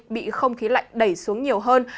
bị không khí lạnh đẩy xuống nhiều hơn